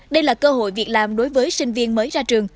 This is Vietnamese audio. đây là cơ hội việc làm đối với sinh viên mới ra trường